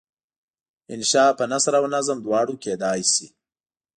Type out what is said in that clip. انشأ په نثر او نظم دواړو کیدای شي.